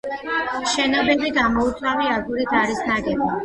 შენობები გამოუწვავი აგურით არის ნაგები.